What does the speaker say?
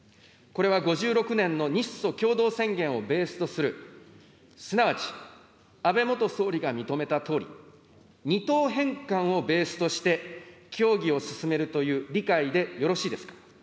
これは５６年の日ソ共同宣言をベースとする、すなわち安倍元総理が認めたとおり、二島返還をベースとして協議を進めるという理解でよろしいですか。